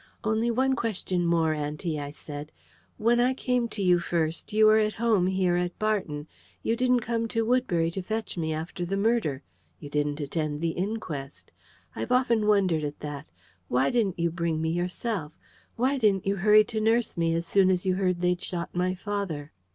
"Only one question more, auntie," I said. "When I came to you first, you were at home here at Barton. You didn't come to Woodbury to fetch me after the murder. You didn't attend the inquest. I've often wondered at that. Why didn't you bring me yourself? Why didn't you hurry to nurse me as soon as you heard they'd shot my father?"